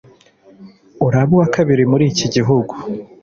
uraba uwakabiri muriki gihugu"